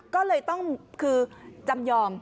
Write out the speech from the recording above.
ก็เลยต้องคือจำยอม